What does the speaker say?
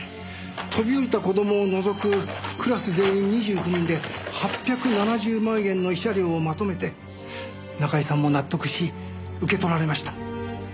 飛び降りた子供を除くクラス全員２９人で８７０万円の慰謝料をまとめて中居さんも納得し受け取られました。